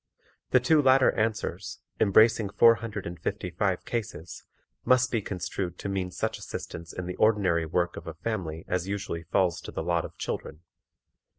The two latter answers, embracing four hundred and fifty five cases, must be construed to mean such assistance in the ordinary work of a family as usually falls to the lot of children.